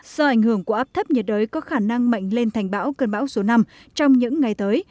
do ảnh hưởng của áp thấp nhiệt đới có khả năng mạnh lên thành bão cơn bão số năm trong những ngày tới